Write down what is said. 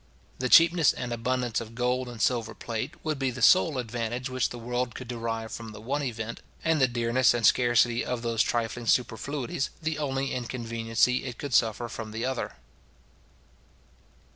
The cheapness and abundance of gold and silver plate would be the sole advantage which the world could derive from the one event; and the dearness and scarcity of those trifling superfluities, the only inconveniency it could suffer from the other.